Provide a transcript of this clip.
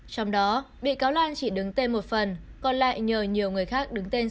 trong đó bị cáo lan chỉ đứng tên một phần còn lại nhờ nhiều người khác đứng tên